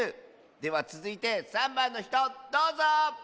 ではつづいて３ばんのひとどうぞ！